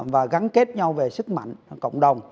và gắn kết nhau về sức mạnh cộng đồng